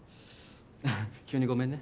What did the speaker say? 急にごめんね。